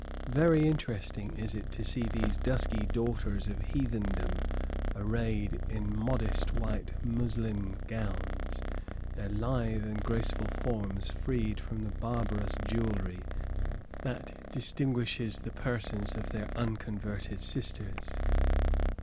Very interesting is it to see these dusky daughters of heathendom arrayed in modest white muslin gowns, their lithe and graceful forms freed from the barbarous jewellery that distinguishes the persons of their unconverted sisters.